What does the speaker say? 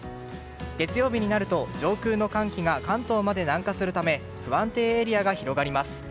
月曜日になると上空の寒気が関東まで南下するため不安定エリアが広がります。